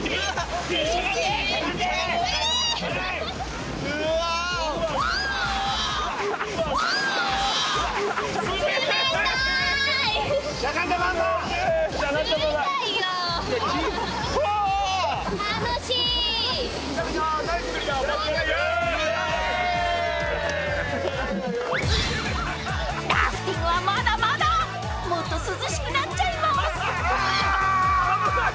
［もっと涼しくなっちゃいます］